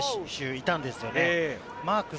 いたんですよね。